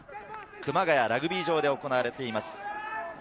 熊谷ラグビー場で行われています。